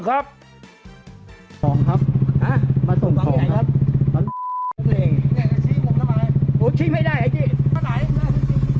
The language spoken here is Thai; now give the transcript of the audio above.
ไหวมั้ย